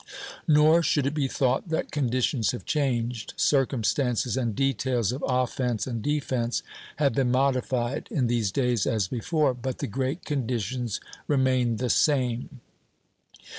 Nor should it be thought that conditions have changed; circumstances and details of offence and defence have been modified, in these days as before, but the great conditions remain the same.